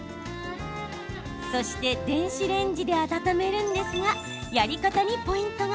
そして電子レンジで温めるんですがやり方にポイントが。